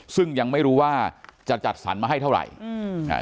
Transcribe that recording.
ซึ่งยังไม่รู้ว่าจะจัดสรรมาให้เท่าไหร่อืมอ่า